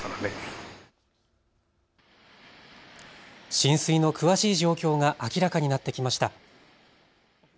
浸水の詳しい状況が明らかになってきました。